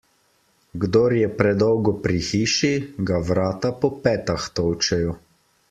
Kdor je predolgo pri hiši, ga vrata po petah tolčejo.